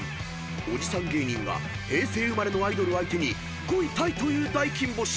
［おじさん芸人が平成生まれのアイドル相手に５位タイという大金星］